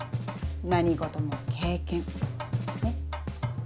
何事も経験ねっ。